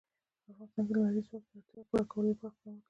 په افغانستان کې د لمریز ځواک د اړتیاوو پوره کولو لپاره اقدامات کېږي.